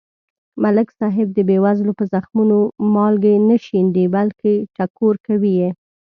ملک صاحب د بې وزلو په زخمونو مالګې نه شیندي. بلکې ټکور کوي یې.